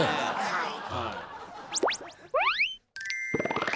はい。